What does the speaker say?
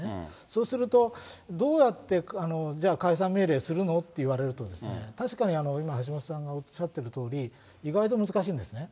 そうすると、どうやってじゃあ、解散命令するの？って言われると、確かに今、橋下さんがおっしゃってる通り、意外と難しいんですね。